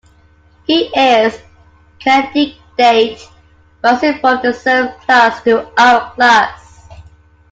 He is a candidate, rising from the serf class to our class.